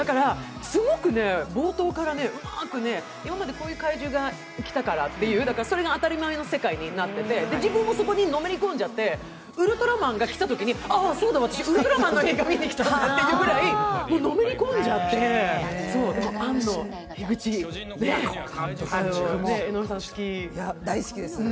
すごく冒頭から、うまーくね、今までこういう禍威獣が来たからという、それが当たり前の世界になってて、自分もそこにのめり込んじゃって、ウルトラマンが来たときああ、そうだ、私ウルトラマンの映画見にきたんだっていうぐらいのめり込んじゃって、庵野・樋口さんのね。